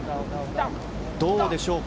どうでしょうか。